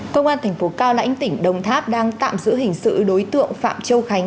công an tp cao lãnh tỉnh đồng tháp đang tạm giữ hình sự đối tượng phạm châu khánh